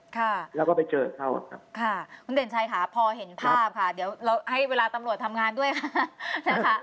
ค่ะแล้วก็ไปเจอเขาครับค่ะคุณเด่นชัยค่ะพอเห็นภาพค่ะเดี๋ยวเราให้เวลาตำรวจทำงานด้วยค่ะนะคะ